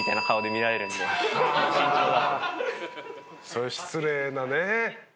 それ失礼なね。